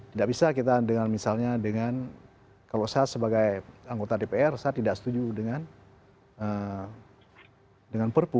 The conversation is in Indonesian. tidak bisa kita dengan misalnya dengan kalau saya sebagai anggota dpr saya tidak setuju dengan perpu